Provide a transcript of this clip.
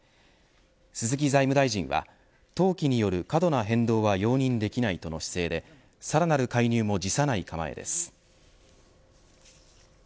鈴木財務大臣は、投機による過度な変動は容認できないとの姿勢でさらなる介入も辞さない構えです。